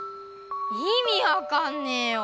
いみ分かんねえよ！